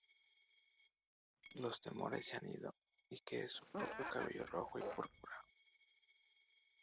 Los temores se han ido y que es su propio cabello, rojo y púrpura.